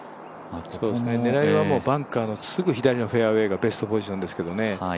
狙いはバンカーのすぐ左がベストポジションですけどね。